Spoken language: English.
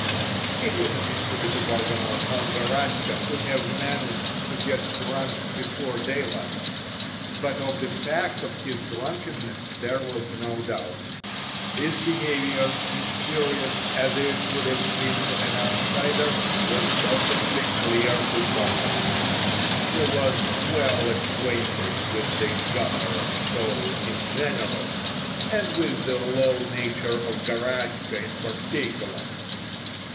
It was a mystery to Bargamot how Garaska could have managed to get drunk before daylight, but of the fact of his drunkenness there was no doubt. His behaviour, mysterious as it would have been to an outsider, was perfectly clear to Bargamot, who was well acquainted with the "Gunner" soul in general, and with the low nature of Garaska in particular.